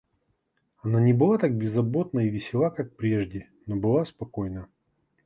Она не была так беззаботна и весела как прежде, но была спокойна.